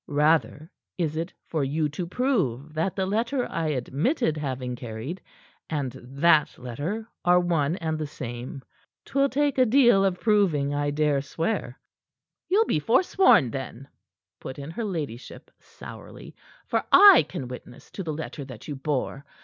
Rather is it for you to prove that the letter I admitted having carried and that letter are one and the same. 'Twill take a deal of proving, I dare swear." "Ye'll be forsworn, then," put in her ladyship sourly. "For I can witness to the letter that you bore.